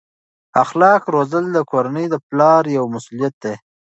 اخلاق روزل د کورنۍ د پلار یوه مسؤلیت ده.